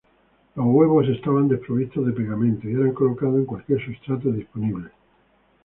Los huevos estaban desprovistos de pegamento y eran colocados en cualquier sustrato disponible.